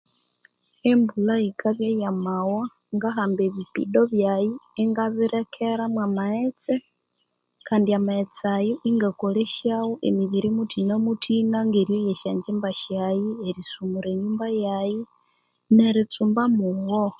Embulha yikabya yamawa ngahamba ebipido byayi, ingabilekeramo amaghatse kandi amaghetse ayo ingakolesyagho emibiri muthina muthina ngeryoya esyongyimba syaghe erisumura enyumba yayi, beritsumba mugho.